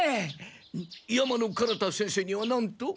山野金太先生にはなんと？